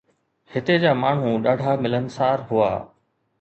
هتي جا ماڻهو ڏاڍا ملنسار هئا.